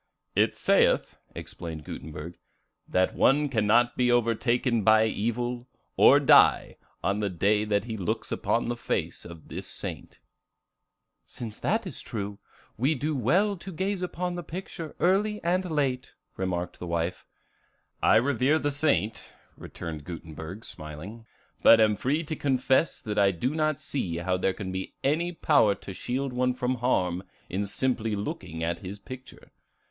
"It saith," explained Gutenberg, "that one cannot be overtaken by evil, or die, on the day that he looks upon the face of this saint." "Since that is true, we do well to gaze upon the picture early and late," remarked the wife. "I revere the saint," returned Gutenberg, smiling, "but am free to confess that I do not see how there can be any power to shield one from harm in simply looking at his picture.